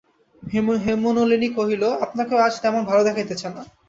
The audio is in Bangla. হেমনলিনী কহিল, আপনাকেও আজ তেমন ভালো দেখাইতেছে না।